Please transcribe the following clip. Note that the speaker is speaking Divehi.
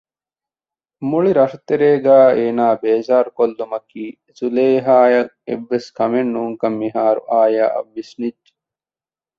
މުޅި ރަށުތެރޭގައި އޭނާ ބޭޒާރުކޮށްލުމަކީ ޒުލޭހާއަށް އެއްވެސް ކަމެއް ނޫންކަން މިހާރު އާޔާއަށް ވިސްނިއްޖެ